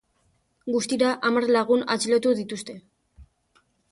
Guztira hamar lagun atxilotu dituzte.